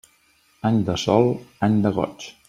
Any de sol, any de goig.